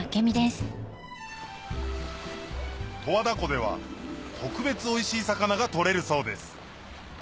十和田湖では特別おいしい魚が取れるそうです